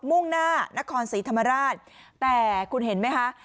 มุ่งหน้านครศรีธรรมราชแต่คุณเห็นไหมคะ